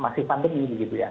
masih pandemi begitu ya